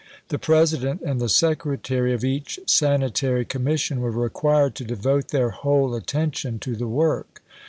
The President and the Secretary of each Sanitary Commission were required to devote their whole attention to the work.